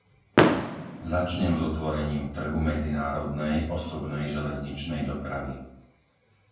Začnem s otvorením trhu medzinárodnej osobnej železničnej dopravy.